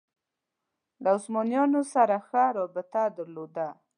له عثمانیانو سره ښه رابطه درلوده